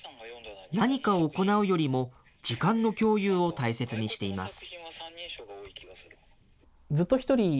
何かを行うよりも、時間の共有を大切にしています。